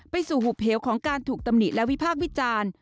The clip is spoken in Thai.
สู่หุบเหวของการถูกตำหนิและวิพากษ์วิจารณ์